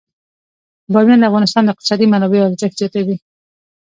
بامیان د افغانستان د اقتصادي منابعو ارزښت زیاتوي.